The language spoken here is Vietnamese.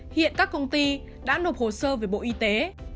hiện các công ty đã nộp hồ sơ về bộ y tế